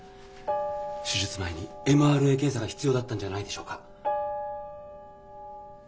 手術前にＭＲＡ検査が必要だったんじゃないでしょうか？